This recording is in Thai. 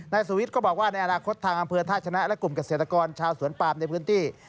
สุวิทย์ก็บอกว่าในอนาคตทางอำเภอท่าชนะและกลุ่มเกษตรกรชาวสวนปามในพื้นที่